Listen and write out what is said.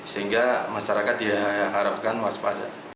sehingga masyarakat diharapkan waspada